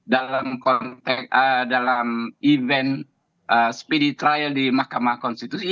dalam konteks dalam event spiri trial di mahkamah konstitusi